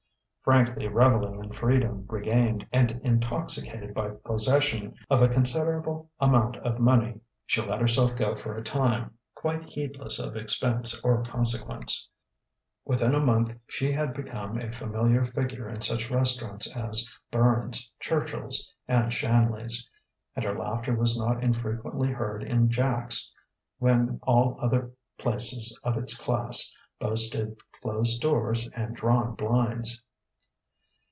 Frankly revelling in freedom regained, and intoxicated by possession of a considerable amount of money, she let herself go for a time, quite heedless of expense or consequence. Within a month she had become a familiar figure in such restaurants as Burns', Churchill's, and Shanley's; and her laughter was not infrequently heard in Jack's when all other places of its class boasted closed doors and drawn blinds.